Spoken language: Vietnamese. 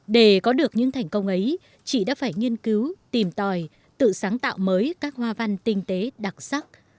để có được những thành công ấy chị đã phải nghiên cứu tìm tòi tự sáng tạo mới các hoa văn tinh tế đặc sắc